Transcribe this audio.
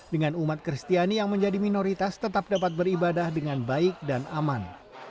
dengan umat kristiani yang menjadi minoritas tetap dapat beribadah dengan baik dan aman